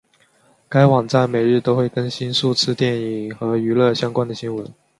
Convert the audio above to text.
该网站每日都会更新数次电影和娱乐相关的新闻。